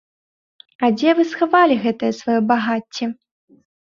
А дзе вы схавалі гэтае сваё багацце?